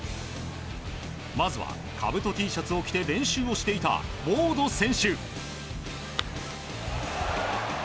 まずは、かぶとＴシャツを着て練習をしていたウォード選手。